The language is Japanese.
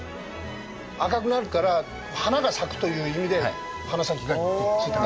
赤くなるから、花が咲くという意味で花咲ガニってついたの？